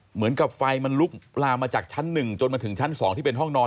เหมือนกับไฟมันลุกลามมาจากชั้น๑จนมาถึงชั้น๒ที่เป็นห้องนอน